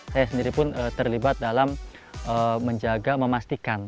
saya sendiri pun terlibat dalam menjaga memastikan